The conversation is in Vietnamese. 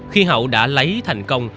khi hậu đã lấy thành công